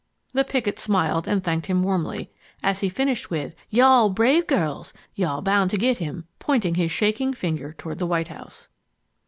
The picket smiled, and thanked him warmly, as he finished with, "You are brave girls. You are bound to get him"—pointing his shaking finger toward the White House.